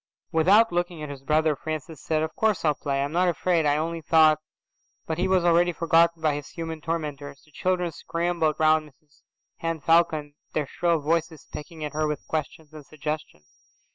Without looking at his brother, Francis said, "Of course I'll play. I'm not afraid, I only thought Â…" But he was already forgotten by his human tormentors. The children scrambled round Mrs Henne Falcon, their shrill voices pecking at her with questions and suggestions.